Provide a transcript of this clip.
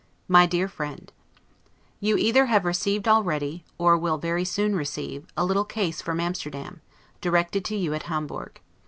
MY DEAR FRIEND: You either have received already, or will very soon receive, a little case from Amsterdam, directed to you at Hamburg.